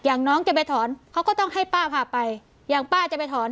อย่างน้องจะไปถอนเขาก็ต้องให้ป้าพาไปอย่างป้าจะไปถอน